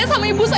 dan sekarang apa